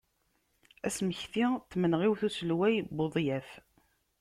Asmekti n tmenɣiwt n uselway Budyaf.